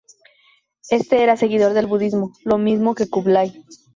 Este era seguidor del budismo, lo mismo que Kublai.